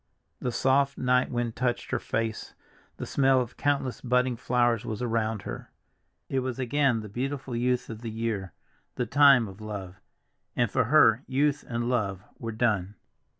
The soft night wind touched her face, the smell of countless budding flowers was around her. It was again the beautiful youth of the year, the time of love, and for her youth and love were done.